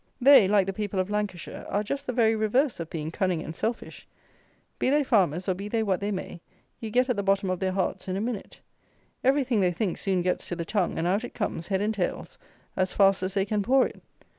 They, like the people of Lancashire, are just the very reverse of being cunning and selfish; be they farmers, or be they what they may, you get at the bottom of their hearts in a minute. Everything they think soon gets to the tongue, and out it comes, heads and tails, as fast as they can pour it.